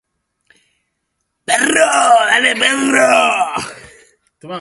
Gernutik proteinak ezabatzen zituzten mekanismoaren bidez.